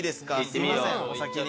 すいませんお先に。